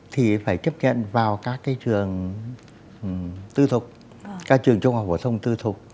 thì phải tiếp nhận vào các cái trường tư thục các trường trung học phổ thông tư thục